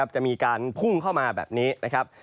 จะมีการพุ่งเข้ามาแบบนี้